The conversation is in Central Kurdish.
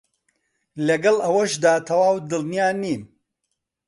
لەگەڵ ئەوەشدا تەواو دڵنیا نیم